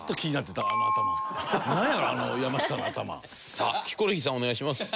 さあヒコロヒーさんお願いします。